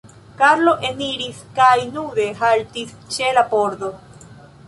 Karlo eniris kaj nude haltis ĉe la pordo.